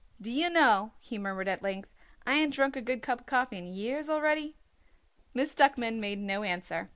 "D'ye know," he murmured at length, "I ain't drunk a good cup coffee in years already?" Miss Duckman made no answer.